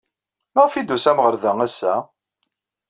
Maɣef ay d-tusam ɣer da ass-a?